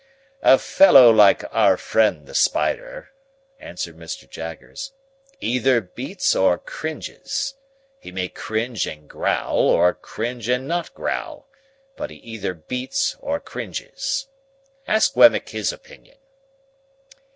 "A fellow like our friend the Spider," answered Mr. Jaggers, "either beats or cringes. He may cringe and growl, or cringe and not growl; but he either beats or cringes. Ask Wemmick his opinion."